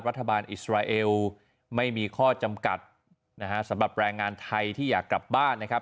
รัฐบาลอิสราเอลไม่มีข้อจำกัดนะฮะสำหรับแรงงานไทยที่อยากกลับบ้านนะครับ